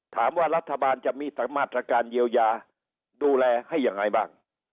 ถามว่ารัฐบาลจะมีมาตรการเยียวยาดูแลให้ยังไงบ้าง